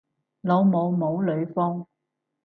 老母唔好呂方